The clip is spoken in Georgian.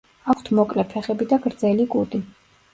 აქვთ მოკლე ფეხები და გრძელი კუდი.